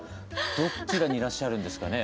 どちらにいらっしゃるんですかね？